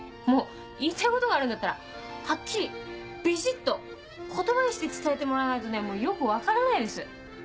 もう言いたいことがあるんだったらはっきりビシっと言葉にして伝えてもらわないとねもうよく分からないです。